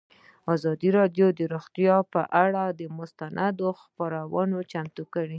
ازادي راډیو د روغتیا پر اړه مستند خپرونه چمتو کړې.